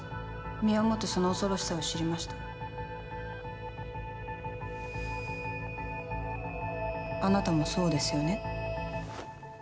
身をもってその恐ろしさを知りましたあなたもそうですよね？